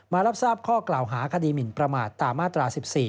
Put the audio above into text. รับทราบข้อกล่าวหาคดีหมินประมาทตามมาตรา๑๔